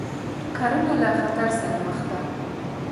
کرنه له خطر سره مخ ده.